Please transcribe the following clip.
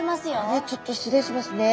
あれちょっと失礼しますね。